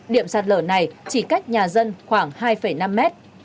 điểm sạt lở này chỉ cách nhà dân khoảng hai năm mét